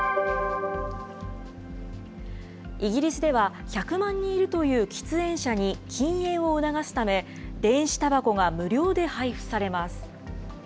イギリスでは、１００万人いるという喫煙者に禁煙を促すため、電子たばこが無料で配布されます。